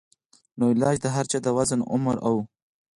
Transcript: نو علاج د هر چا د وزن ، عمر او